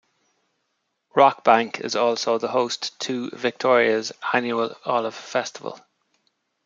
Rockbank is also the host to Victoria's Annual Olive Festival.